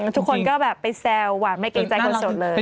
ทุกคนก็แบบไปแซวหวานไม่เกรงใจคนโสดเลย